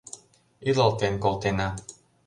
Илалтен колтена.